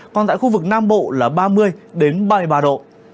còn tại khu vực nam bộ là ba mươi ba mươi ba độ